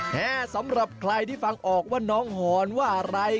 แต่สำหรับใครที่ฟังออกว่าน้องหอนว่าอะไร